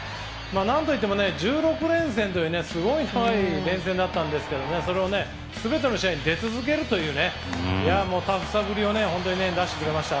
何といっても１６連戦というすごい連戦だったんですけどそれを全ての試合に出続けるというタフさぶりを出してくれました。